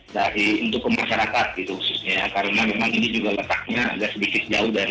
dari untuk kemasyarakat gitu khususnya karena memang ini juga letaknya agak sedikit jauh dari